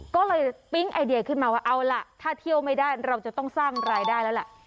ก็เลยปิ๊งไอเดียขึ้นมาว่าเอาล่ะถ้าเที่ยวไม่ได้เราจะต้องสร้างรายได้แล้วแหละ